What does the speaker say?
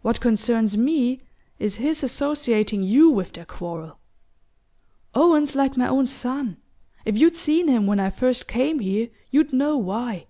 What concerns me is his associating you with their quarrel. Owen's like my own son if you'd seen him when I first came here you'd know why.